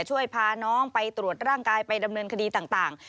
ช่วยพาน้องไปตรวจร่างกายไปดำเนินคดีต่าง